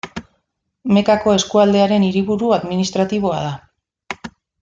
Mekako eskualdearen hiriburu administratiboa da.